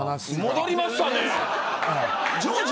戻りましたね。